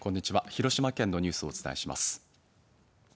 広島県のニュースをお伝えします。